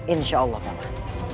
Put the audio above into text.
insya allah paman